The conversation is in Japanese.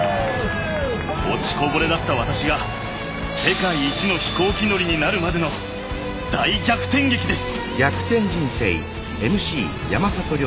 落ちこぼれだった私が世界一の飛行機乗りになるまでの大逆転劇です。